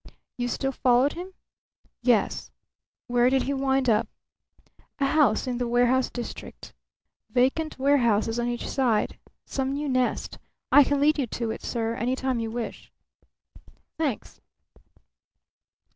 "You still followed him?" "Yes." "Where did he wind up?" "A house in the warehouse district. Vacant warehouses on each side. Some new nest. I can lead you to it, sir, any time you wish." "Thanks."